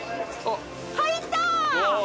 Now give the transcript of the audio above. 入った！